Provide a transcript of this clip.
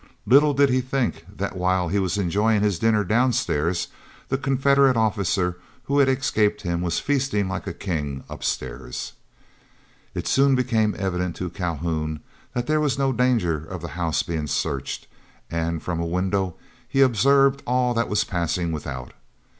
Little did he think that while he was enjoying his dinner downstairs, the Confederate officer who had escaped him was feasting like a king upstairs. It soon became evident to Calhoun that there was no danger of the house being searched, and from a window he observed all that was passing without.